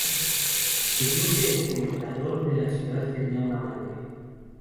Sucedió que el comendador de la ciudad tenía una amante.